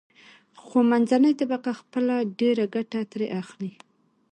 خو منځنۍ طبقه خپله ډېره ګټه ترې اخلي.